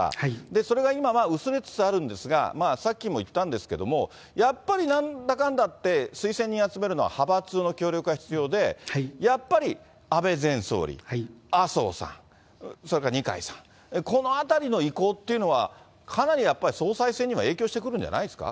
それが今は薄れつつあるんですが、さっきも言ったんですけど、やっぱりなんだかんだって、推薦人集めるのは、派閥の協力が必要で、やっぱり、安倍前総理、麻生さん、それから二階さん、このあたりの意向っていうのは、かなりやっぱり総裁選には影響してくるんじゃないですか。